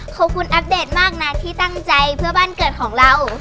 ขอบคุณอัปเดตมากนะที่ตั้งใจเพื่อบ้านเกิดของเรา